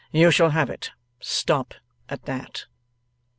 'You shall have it. Stop at that.